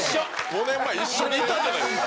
５年前一緒にいたじゃないですか。